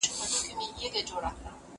راځئ چي د يوې ممتازې ټولني لپاره کار وکړو.